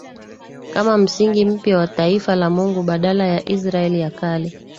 kama msingi mpya wa taifa la Mungu badala ya Israeli ya kale